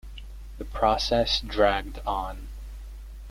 The process dragged on.